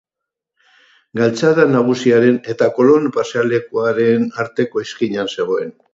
Galtzada Nagusiaren eta Kolon pasealekuaren arteko izkinan zegoen.